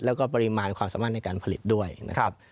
แล้วก็ปริมาณความสามารถในการผลิตด้วยนะครับ